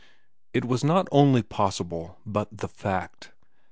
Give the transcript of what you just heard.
IT was not only possible, but the fact.